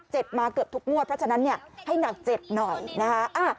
มาเกือบทุกงวดเพราะฉะนั้นเนี่ยให้หนักเจ็ดหน่อยนะคะ